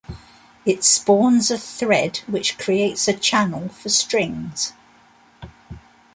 It spawns a thread which creates a channel for strings.